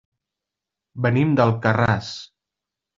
Venim d'Alcarràs.